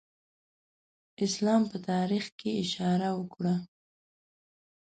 اسلام په تاریخ کې اشاره وکړو.